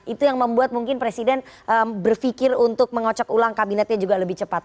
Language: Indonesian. itu yang membuat mungkin presiden berpikir untuk mengocok ulang kabinetnya juga lebih cepat